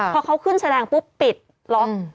พอเขาขึ้นแสดงปุ๊บปิดล็อก